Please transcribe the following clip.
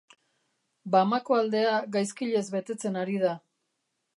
Bamako aldea gaizkilez betetzen ari da.